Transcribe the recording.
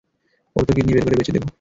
ওর তো কিডনী বের করে বেচে দেবো।